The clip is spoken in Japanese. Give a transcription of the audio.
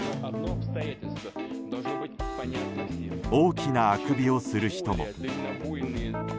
大きなあくびをする人も。